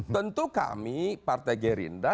tentu kami partai gerindra